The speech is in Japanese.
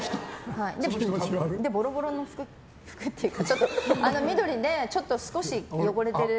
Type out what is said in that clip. ぼろぼろの服っていうか緑で少し汚れてる